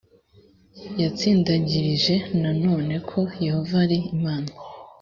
yatsindagirije nanone ko yehova ari imana